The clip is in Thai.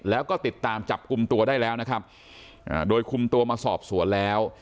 แล้วก็ติดตามจับกลุ่มตัวได้แล้วนะครับโดยคุมตัวมาสอบสวนแล้ว